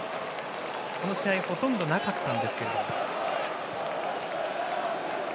この試合ほとんどなかったんですが。